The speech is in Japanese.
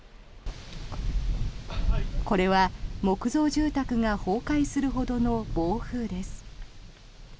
これは木造住宅が崩壊するほどの暴風です。